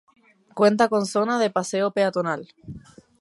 Cuenta con zona de paseo peatonal.